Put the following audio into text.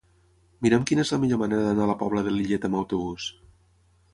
Mira'm quina és la millor manera d'anar a la Pobla de Lillet amb autobús.